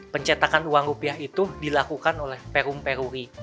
pencetakan uang rupiah itu dilakukan oleh perum peruri